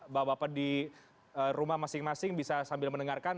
bapak bapak di rumah masing masing bisa sambil mendengarkan